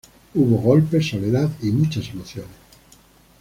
Hubo golpes, soledad y muchas emociones.